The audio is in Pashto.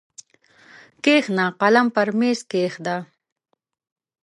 کښېنه قلم پر مېز کښېږده!